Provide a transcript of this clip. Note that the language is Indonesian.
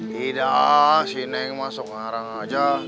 tidak si neng masuk ngarang aja